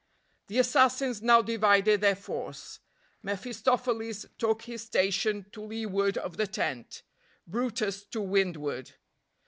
The assassins now divided their force. mephistopheles took his station to leeward of the tent; brutus to windward.